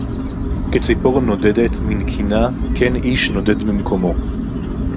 כְּ֭צִפּוֹר נוֹדֶ֣דֶת מִן־קִנָּ֑הּ כֵּֽן־אִ֝֗ישׁ נוֹדֵ֥ד מִמְּקוֹמֽוֹ׃